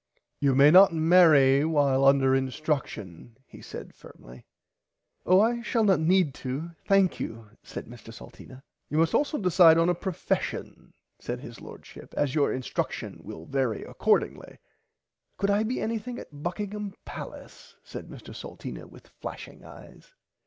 You may not marry while under instruction he said firmly. Oh I shall not need to thankyou said Mr Salteena. You must also decide on a profeshion said his Lordship as your instruction will vary according. Could I be anything at Buckingham Pallace said Mr Salteena with flashing eyes.